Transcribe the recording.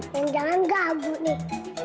yang jangan gabu nih